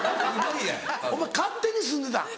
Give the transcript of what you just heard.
お前勝手に住んでたん？